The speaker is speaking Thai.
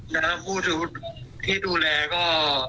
น้ำผู้ที่ดูแลก็